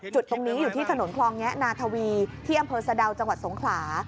จุดตรงนี้อยู่ที่ถนนคลองแงะนาทวีที่อำเภอสะดาวจังหวัดสงขลา